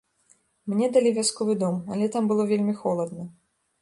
Мне далі вясковы дом, але там было вельмі холадна.